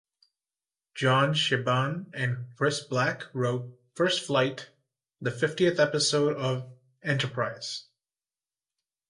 John Shiban and Chris Black wrote "First Flight", the fiftieth episode of "Enterprise".